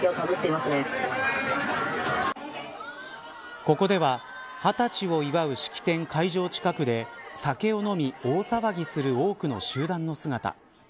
ここでは二十歳を祝う式典会場近くで酒を飲み大騒ぎする多くの集団の姿。